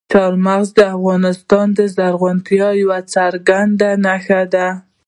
چار مغز د افغانستان د زرغونتیا یوه څرګنده نښه ده.